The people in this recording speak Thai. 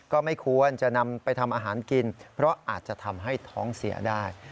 ก็ไม่ควรจะนำไปทำอาหารกินเพราะอาจจะทำให้ท้องเสียได้